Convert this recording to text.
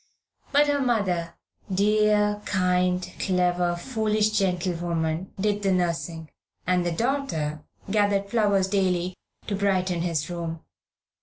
But her mother dear, kind, clever, foolish gentlewoman did the nursing, and the daughter gathered flowers daily to brighten his room.